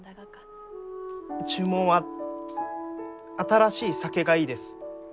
注文は新しい酒がいいです。